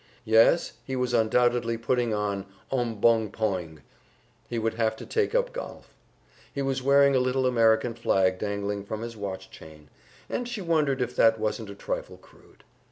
Yes, he was undoubtedly putting on "ombongpoing"; he would have to take up golf. He was wearing a little American flag dangling from his watch chain, and she wondered if that wasn't a trifle crude.